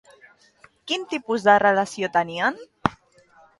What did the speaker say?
Quin tipus de relació tenien?